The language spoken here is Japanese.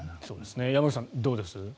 山口さん、どうです？